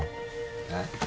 えっ？